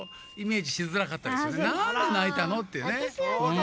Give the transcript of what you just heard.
「なんで泣いたの？」っていうね。